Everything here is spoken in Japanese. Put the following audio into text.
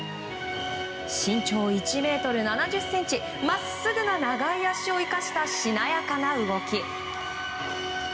身長１ｍ７０ｃｍ真っすぐな長い足を生かしたしなやかな動き。